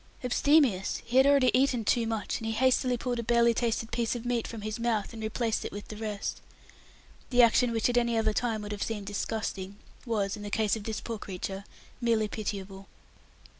Abstemious! He had already eaten too much, and he hastily pulled a barely tasted piece of meat from his mouth, and replaced it with the rest. The action which at any other time would have seemed disgusting, was, in the case of this poor creature, merely pitiable.